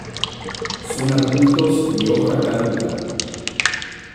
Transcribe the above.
Son arbustos de hoja caduca.